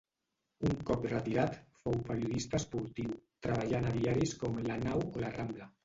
Un cop retirat fou periodista esportiu, treballant a diaris com La Nau o La Rambla.